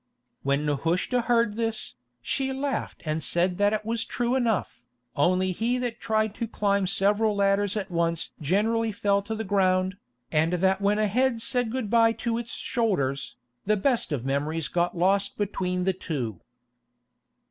When Nehushta heard this, she laughed and said that it was true enough, only he that tried to climb several ladders at once generally fell to the ground, and that when a head had said good bye to its shoulders, the best of memories got lost between the two.